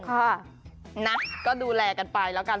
ค่ะนะก็ดูแลกันไปแล้วกัน